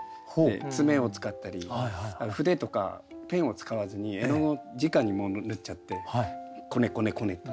爪を使ったり筆とかペンを使わずに絵の具をじかに塗っちゃってこねこねこねと。